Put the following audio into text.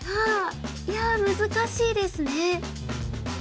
ああいや難しいですね。